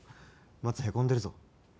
松へこんでるぞ。